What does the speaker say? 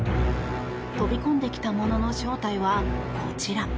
飛び込んできたものの正体はこちら。